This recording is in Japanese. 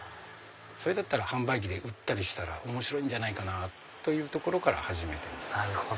それだったら販売機で売ったりしたら面白いんじゃないかなというところから始めてます。